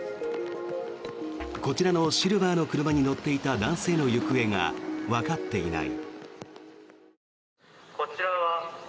こちらのシルバーの車に乗っていた男性の行方がわかっていない。